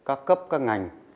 và các bộ các cấp các ngành